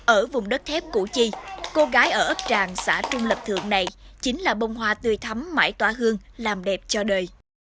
ở vùng đất thép củ chi cô gái ở ấp trang xã trung lập thượng này chính là bông hoa tươi thấm mãi tỏa hương làm đẹp cho đời